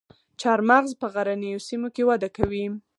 چهارمغز په غرنیو سیمو کې وده کوي